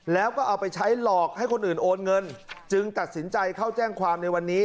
แล้วก็เอาไปใช้หลอกให้คนอื่นโอนเงินจึงตัดสินใจเข้าแจ้งความในวันนี้